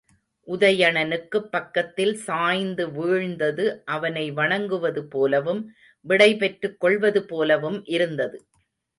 உதயணனுக்குப் பக்கத்தில் சாய்ந்து வீழ்ந்தது, அவனை வணங்குவது போலவும் விடை பெற்றுக் கொள்வதுபோலவும் இருந்தது.